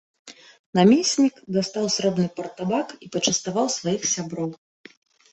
Намеснік дастаў срэбны партабак і пачаставаў сваіх сяброў.